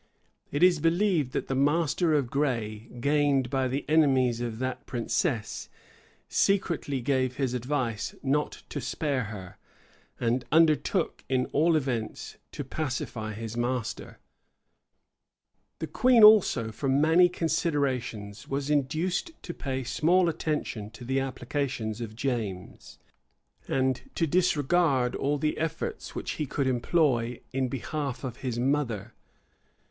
[] It is believed, that the master of Gray, gained by the enemies of that princess, secretly gave his advice not to spare her, and undertook, in all events, to pacify his master. * Spotswood, p. 351. Spotswood, p. 353. The queen also, from many considerations, was induced to pay small attention to the applications of James, and to disregard all the efforts which he could employ in behalf of his mother.